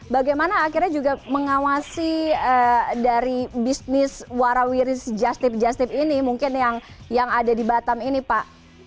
bagaimana akhirnya juga mengawasi dari bisnis warawiris just tip just tip ini mungkin yang ada di batam ini pak